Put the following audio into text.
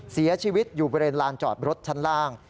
เสียชีวิตอยู่บริเวณลานจอดรถชั้นล่าง